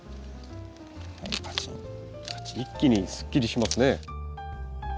一気にすっきりしますね。